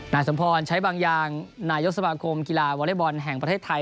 นายสมพรใช้บางอย่างนายกสมาคมกีฬาวอเล็กบอลแห่งประเทศไทย